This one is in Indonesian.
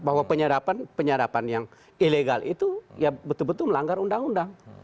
bahwa penyadapan yang ilegal itu ya betul betul melanggar undang undang